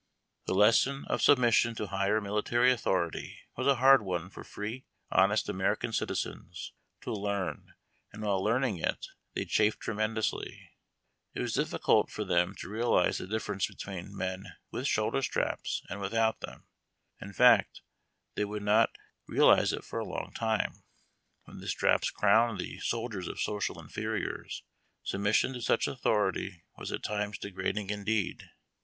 The lesson ot submission to higher military authority was a hard one for free, honest American citizens to l«u.i, and while learning it, they chafed tremendously. It was d.th u £ then? to realize the difference between men «</. oulder straps and «.«7.»«f them ; in fact, they .ouUl »o realize it for a long time. When the straps crowned the Wde of socialinferiors, submission to such authority vas at times degrading indeed.